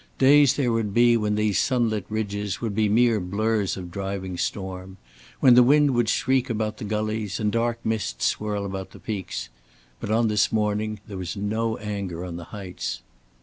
Days there would be when these sunlit ridges would be mere blurs of driving storm, when the wind would shriek about the gullies, and dark mists swirl around the peaks. But on this morning there was no anger on the heights.